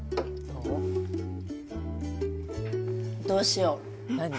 どうしよう？